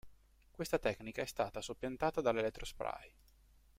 Questa tecnica è stata soppiantata dall'elettrospray.